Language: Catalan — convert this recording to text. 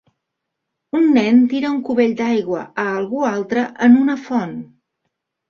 Un nen tira un cubell d'aigua a algú altre en una font.